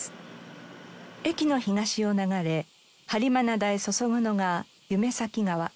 駅の東を流れ播磨灘へ注ぐのが夢前川。